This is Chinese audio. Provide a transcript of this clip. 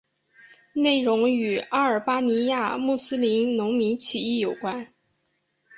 内容与阿尔巴尼亚穆斯林农民起义有关。